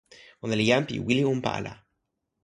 ona li jan pi wile unpa ala.